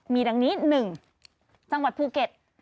มีดังนี้๑จังหวัดภูเก็ต